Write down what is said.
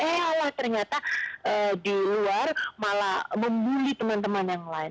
eh allah ternyata di luar malah membully teman teman yang lain